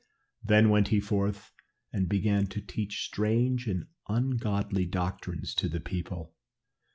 Then went he forth and began to teach strange and ungodly doctrines to the people.